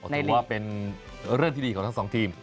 ถือว่าเป็นเรื่องที่ดีของทั้งสองทีม